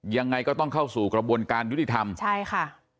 ยังไงก็ต้องเข้าสู่กระบวนการยุติธรรมใช่ค่ะ